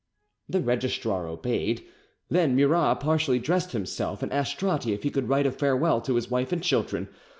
The registrar obeyed. Then Murat partially dressed himself, and asked Stratti if he could write a farewell to his wife and children.